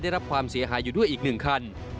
ได้รับความเสียหายอยู่ด้วยอีก๑คัน